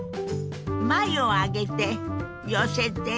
眉を上げて寄せて。